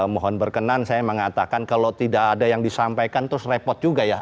mohon berkenan saya mengatakan kalau tidak ada yang disampaikan terus repot juga ya